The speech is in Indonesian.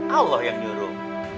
allah yang nyuruh